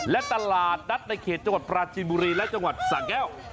และตลาดนัดในเขตจังหวัดปราจินบุรีและจังหวัดสะแก้ว